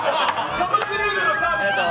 トム・クルーズのサービス。